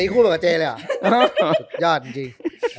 คู่กับเจเลยหรอยอดจริง